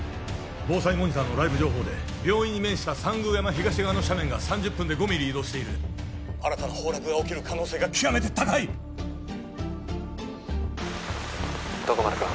防災モニターのライブ情報で病院に面した三宮山東側の斜面が３０分で５ミリ移動している新たな崩落が起きる可能性が極めて高い徳丸君